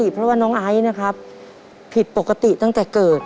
ผิดปกติตั้งแต่เกิด